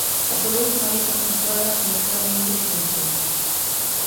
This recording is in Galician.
Aprobouse unha lei consensuada como foi a Lei de xuventude.